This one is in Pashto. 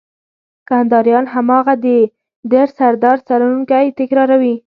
کنداريان هماغه د ډر سردار سروکی تکراروي.